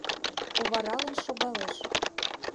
Оваралын шогалеш;